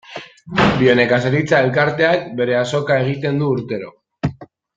Bionekazaritza elkarteak bere azoka egiten du urtero.